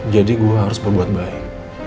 jadi gue harus berbuat baik